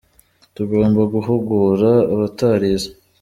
Tugomba guhugura abatarize.